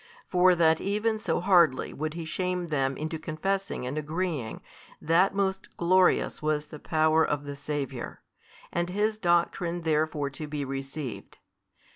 For that even so hardly would He shame them into confessing and agreeing that most glorious was the Power of the Saviour, and His Doctrine therefore to be received.